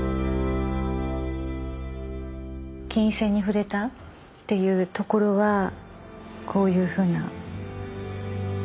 琴線に触れたっていうところはこういうふうな。